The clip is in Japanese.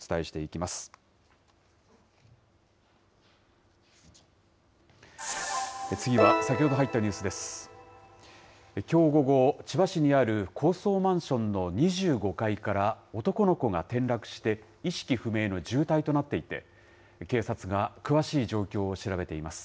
きょう午後、千葉市にある高層マンションの２５階から男の子が転落して、意識不明の重体となっていて、警察が詳しい状況を調べています。